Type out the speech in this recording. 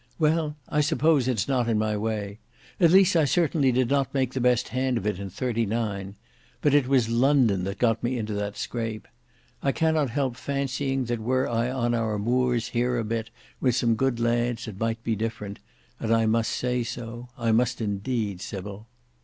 "Well, I suppose it's not in my way, at least I certainly did not make the best hand of it in '39; but it was London that got me into that scrape. I cannot help fancying that were I on our Moors here a bit with some good lads it might be different, and I must say so, I must indeed, Sybil."